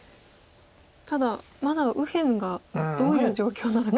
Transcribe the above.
ただまだ右辺がどういう状況なのか。